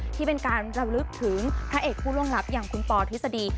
ที่เป็นการระลึกถึงพระเอกผู้ล่วงลับอย่างคุณปอทฤษฎี